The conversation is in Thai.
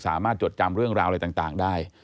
จดจำเรื่องราวอะไรต่างได้